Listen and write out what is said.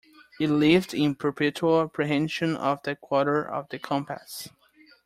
It lived in perpetual apprehension of that quarter of the compass.